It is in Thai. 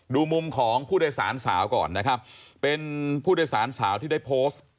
ดูมุมของผู้โดยสารสาวก่อนนะครับเป็นผู้โดยสารสาวที่ได้โพสต์